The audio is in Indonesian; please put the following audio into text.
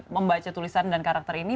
membaca tulisan dan karakter ini